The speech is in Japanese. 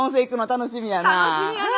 楽しみやな。